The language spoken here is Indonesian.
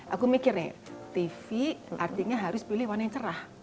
aku mikir nih tv artinya harus pilih warna yang cerah